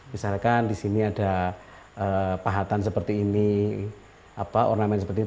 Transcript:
misalkan di sini ada pahatan seperti ini apa ornamen seperti ini